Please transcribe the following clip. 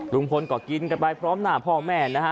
ลุงพลก็กินกันไปพร้อมหน้าพ่อแม่นะฮะ